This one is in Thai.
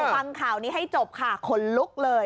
ฟังข่าวนี้ให้จบค่ะขนลุกเลย